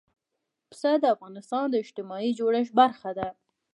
پسه د افغانستان د اجتماعي جوړښت برخه ده.